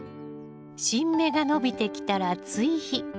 新芽が伸びてきたら追肥。